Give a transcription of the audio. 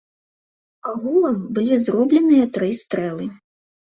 Агулам былі зробленыя тры стрэлы.